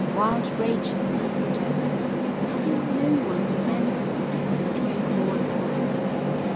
Wild rage seized him, and having no one to vent it on he drank more and more heavily.